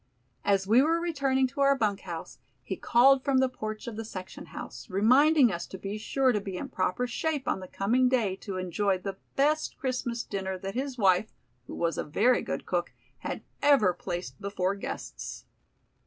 As we were returning to our bunk house, he called from the porch of the section house, reminding us to be sure to be in proper shape on the coming day to enjoy the best Christmas dinner that his wife, who was a very good cook, had ever placed before guests.